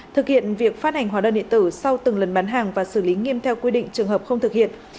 thực hiện việc phát hành hóa đơn điện tử sau từng lần bán hàng và xử lý nghiêm theo quy định trường hợp không thực hiện